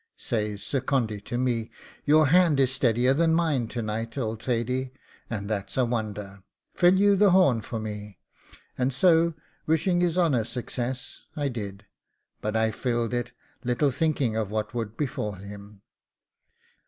Says Sir Condy to me, 'Your hand is steadier than mine to night, old Thady, and that's a wonder; fill you the horn for me.' And so, wishing his honour success, I did; but I filled it, little thinking of what would befall him.